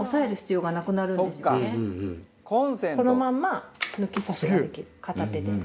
このまんま抜き差しができる。